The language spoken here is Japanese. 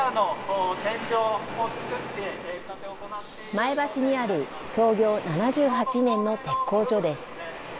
前橋にある創業７８年の鉄工所です。